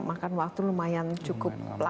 makan waktu lumayan cukup lama